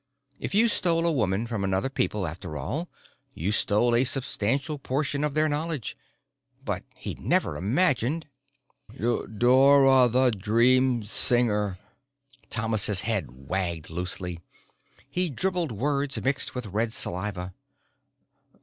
If you stole a woman from another people, after all, you stole a substantial portion of their knowledge. But he'd never imagined "Dora the Dream Singer." Thomas's head waggled loosely: he dribbled words mixed with red saliva.